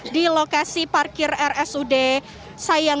di lokasi parkir rsud sayang